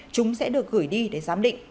chúng sẽ được gửi đi để giám định